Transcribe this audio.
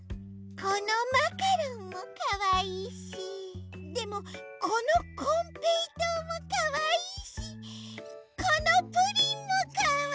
このマカロンもかわいいしでもこのこんぺいとうもかわいいしこのプリンもかわいい！